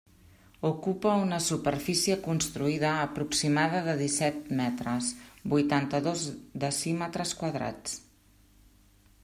Ocupa una superfície construïda aproximada de disset metres, vuitanta-dos decímetres quadrats.